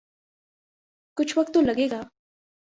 کچھ وقت تو لگے گا۔